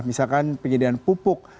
misalkan penggunaan pupuk